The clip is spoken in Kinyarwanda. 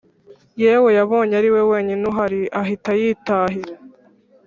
yewe yabonye ariwe wenyine uhari ahita yitahira